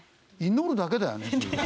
祈るだけだよね。